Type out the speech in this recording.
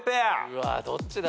うわどっちだ？